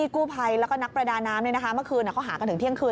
กู้ภัยนักประดาน้ำมะคืนหากล้ามถึงเที่ยงคืน